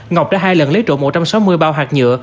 ngọc đã hai lần lấy trộm một trăm sáu mươi bao hạt nhựa